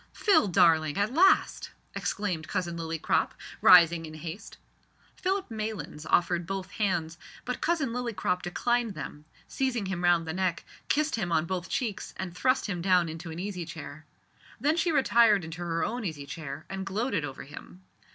"Phil, darling, at last!" exclaimed Cousin Lillycrop, rising in haste. Philip Maylands offered both hands, but Cousin Lillycrop declined them, seized him round the neck, kissed him on both cheeks, and thrust him down into an easy chair. Then she retired into her own easy chair and gloated over him.